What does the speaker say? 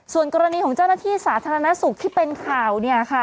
ส่วนกรณีของเจ้าหน้าที่สาธารณสุขที่เป็นข่าวเนี่ยค่ะ